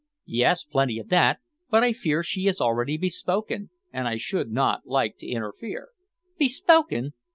"Oh yes, plenty of that, but I fear she is already bespoken, and I should not like to interfere " "Bespoken!